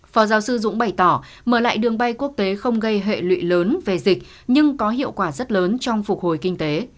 phó giáo sư dũng bày tỏ mở lại đường bay quốc tế không gây hệ lụy lớn về dịch nhưng có hiệu quả rất lớn trong phục hồi kinh tế